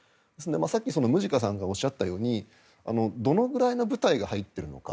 さっき、ムジカさんがおっしゃったようにどのぐらいの部隊が入っているのか。